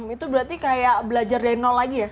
itu berarti kayak belajar dari nol lagi ya